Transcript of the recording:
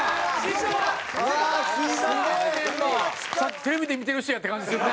テレビで見てる人やって感じするね。